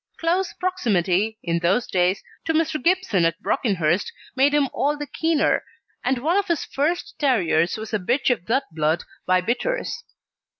Close proximity, in those days, to Mr. Gibson at Brockenhurst made him all the keener, and one of his first terriers was a bitch of that blood by Bitters.